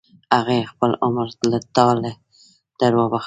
هغې خپل عمر تا له دروبخل.